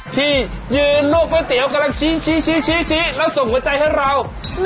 ที่ยืนลวกก๋วยเตี๋ยวกำลังชี้แล้วส่งหัวใจให้เรา